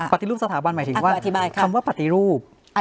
ปฏิรูปสถาบันหมายถึงว่าคำว่าปฏิรูป